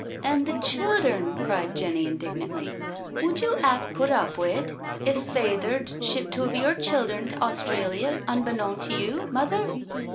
"An* the childhern," cried Jenny indignantly; " would you 'ave put up wi' it if Fayther'd shipt two of your childhern t' Australia unbeknown to you. Mother?